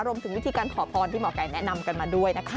รวมถึงวิธีการขอพรที่หมอไก่แนะนำกันมาด้วยนะคะ